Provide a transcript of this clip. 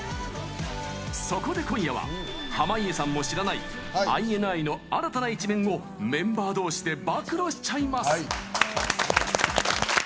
そこで今夜は濱家さんも知らないＩＮＩの新たな一面をメンバー同士で暴露しちゃいます。